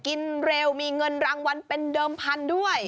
กินเร็วมีเงินรางวัลเป็นเดิมพันธุ์ด้วย